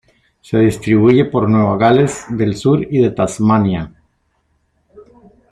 Se distribuye por Nueva Gales del Sur y Tasmania.